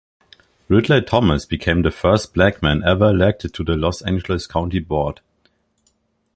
Ridley-Thomas became the first black man ever elected to the Los Angeles County Board.